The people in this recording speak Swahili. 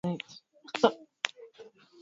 Amepanda ndege jana